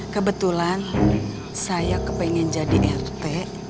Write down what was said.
kebetulan saya kepengen jadi rt